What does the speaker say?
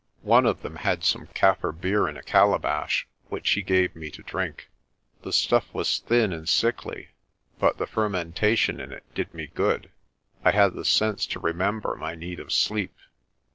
One of them had some Kaffir beer in a calabash, which he gave me to drink. The stuff was thin and sickly, but the fermen tation in it did me good. I had the sense to remember my need of sleep.